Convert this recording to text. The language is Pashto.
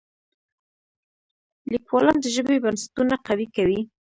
لیکوالان د ژبې بنسټونه قوي کوي.